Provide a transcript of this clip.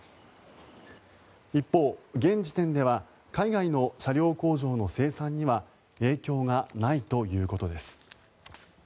一方、現時点では海外の車両工場の生産には影響がないということです。